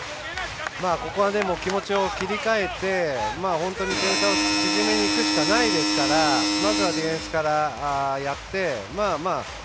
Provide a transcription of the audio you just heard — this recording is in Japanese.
ここは気持ちを切り替えて本当に点差を縮めにいくしかないですからまずはディフェンスからやって。